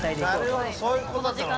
なるほどそういうことね。